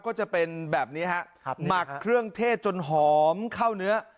ก็จะเป็นแบบนี้ฮะหมักเครื่องเทศจนหอมเข้าเนื้อ